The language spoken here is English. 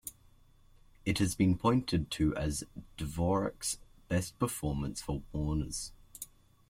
It has been pointed to as Dvorak's best performance for Warners.